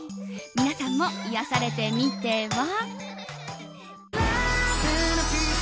皆さんも癒やされてみては？